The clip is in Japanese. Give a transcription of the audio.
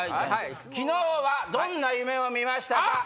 昨日はどんな夢を見ましたか？